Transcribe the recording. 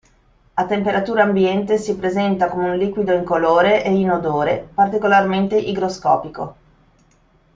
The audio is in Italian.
A temperatura ambiente si presenta come un liquido incolore e inodore particolarmente igroscopico.